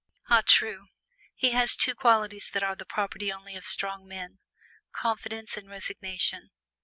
"Ah! true, he has two qualities that are the property only of strong men: confidence and resignation.